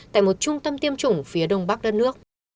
tại một trung tâm tiêm chủng phía đông bắc đất nước